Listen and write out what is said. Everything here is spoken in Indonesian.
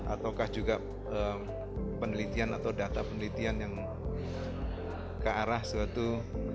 ataukah juga penelitian atau data penelitian yang kearah suatu keperawatan